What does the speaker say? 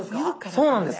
そうなんです。